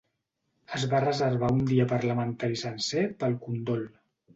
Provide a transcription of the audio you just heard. Es va reservar un dia parlamentari sencer pel condol.